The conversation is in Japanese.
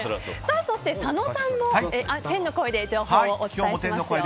そして佐野さんの天の声で情報をお伝えしますよ。